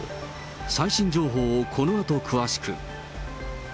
最新情報をこのあと詳しく。